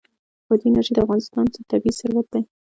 بادي انرژي د افغانستان طبعي ثروت دی.